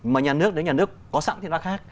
mà nhà nước nếu nhà nước có sẵn thì nó khác